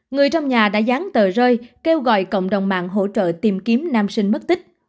người trong nhà đã dán tờ rơi kêu gọi cộng đồng mạng hỗ trợ tìm kiếm nam sinh mất tích